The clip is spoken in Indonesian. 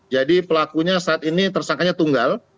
jadi pelakunya saat ini tersangkanya tunggal